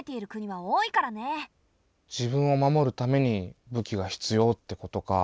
自分を守るために武器が必要ってことか。